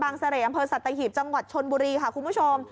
เสร่อำเภอสัตหีบจังหวัดชนบุรีค่ะคุณผู้ชม